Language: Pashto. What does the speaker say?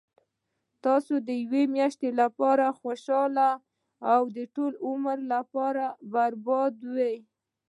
تاسو د یوې میاشتي لپاره خوشحاله او د ټول ژوند لپاره بربادوي